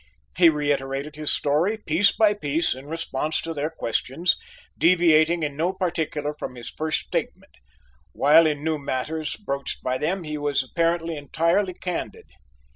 He reiterated his story, piece by piece, in response to their questions, deviating in no particular from his first statement, while in new matters broached by them he was apparently entirely candid.